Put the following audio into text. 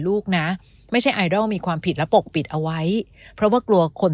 ลูกนะไม่ใช่ไอดอลมีความผิดและปกปิดเอาไว้เพราะว่ากลัวคน